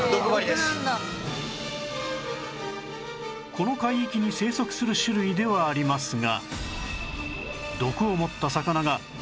この海域に生息する種類ではありますが